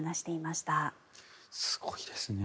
すごいですね。